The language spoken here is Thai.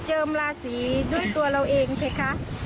ก็เจิมลาศีด้วยตัวเราเองใช่ไหมคะ